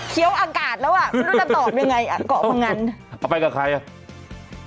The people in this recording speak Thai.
อากาศแล้วอ่ะไม่รู้จะตอบยังไงอ่ะเกาะพงันเอาไปกับใครอ่ะ